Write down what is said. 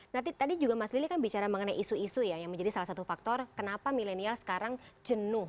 nanti tadi juga mas lili kan bicara mengenai isu isu ya yang menjadi salah satu faktor kenapa milenial sekarang jenuh